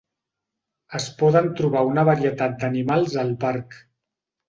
Es poden trobar una varietat d'animals al parc.